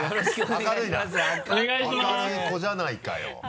明るい子じゃないかよ。